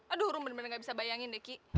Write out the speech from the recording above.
aduh rum bener bener gak bisa bayangin deh ki